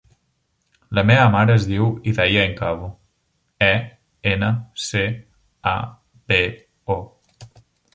La meva mare es diu Hidaya Encabo: e, ena, ce, a, be, o.